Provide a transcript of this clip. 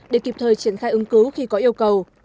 để kịp thời triển khai ứng cứu khi có yêu cầu